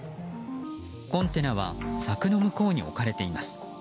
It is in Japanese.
コンテナは柵の向こうに置かれています。